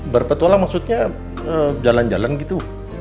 berpetualang maksudnya jalan jalan gitu